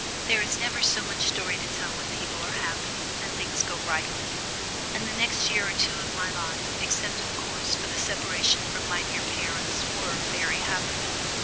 There is never so much story to tell when people are happy, and things go rightly; and the next year or two of my life, except of course for the separation from my dear parents, were very happy.